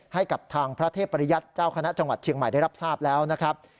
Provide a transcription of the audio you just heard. ให้กับทางพระเทพริยัติเจ้าคณะจังหวัดเชียงใหม่ได้รับทราบแล้วนะครับ